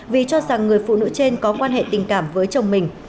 vì cho rằng người phụ nữ trên có quan hệ tình cảm với chồng mình